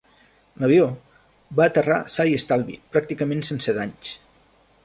L'avió va aterrar sa i estalvi pràcticament sense danys.